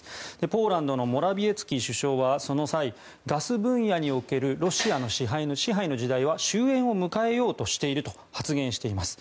ポーランドのモラビエツキ首相はその際ガス分野におけるロシアの支配の時代は終焉を迎えようとしていると発言しています。